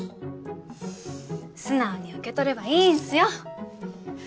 素直に受け取ればいいんすよ。